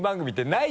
ない。